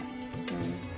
うん。